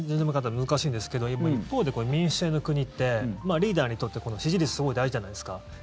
また難しいんですけど一方で民主制の国ってリーダーにとって支持率すごい大事じゃないですか。